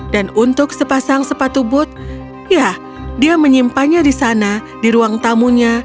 dan untuk sepasang sepatu but ya dia menyimpannya di sana di ruang tamunya